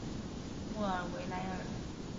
莫尔维莱尔。